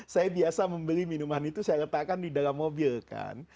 saya biasa membeli minuman itu saya letakkan di dalam mobil kan